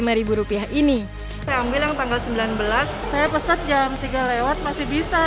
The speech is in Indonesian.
saya ambil yang tanggal sembilan belas saya pesat jam tiga lewat masih bisa